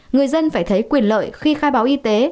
người dân phải thấy quyền lợi khi khai báo y tế